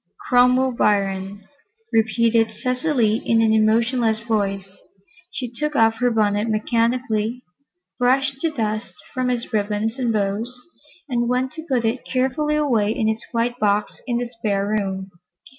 "Cromwell Biron," repeated Cecily, in an emotionless voice. She took off her bonnet mechanically, brushed the dust from its ribbons and bows and went to put it carefully away in its white box in the spare bedroom.